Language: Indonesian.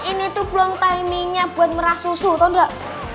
ini tuh belum timingnya buat merah susu tau gak